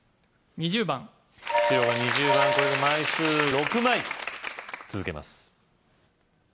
２０番白が２０番これで枚数６枚続けます